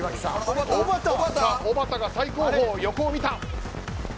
おばたが最後方、横を見た。